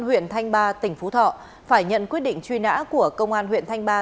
huyện thanh ba tỉnh phú thọ phải nhận quyết định truy nã của công an huyện thanh ba